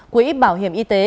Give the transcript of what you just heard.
quỹ bảo hiểm y tế